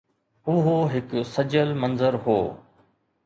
اهو هڪ سجيل منظر هو